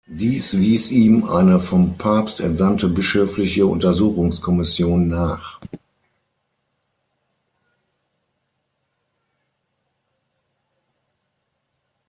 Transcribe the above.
Dies wies ihm eine vom Papst entsandte bischöfliche Untersuchungskommission nach.